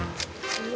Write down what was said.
うわ